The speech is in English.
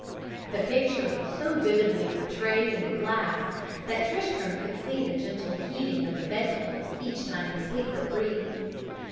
"The picture was so vividly portrayed in the glass that Tristram could see the gentle heaving of the bedclothes each time the sleeper breathed.